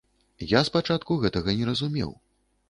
Я спачатку гэтага не разумеў.